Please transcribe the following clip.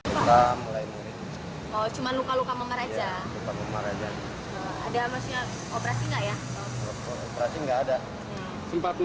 waktu kejadiannya di cerita nggak pak